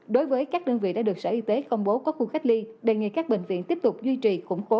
đối với các đơn vị đã được sở y tế công bố có khu cách ly đề nghị các bệnh viện tiếp tục duy trì khủng bố